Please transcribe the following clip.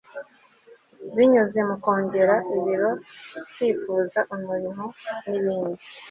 binyuze mu kongera ibiro, kwifuza, umurimo nibindi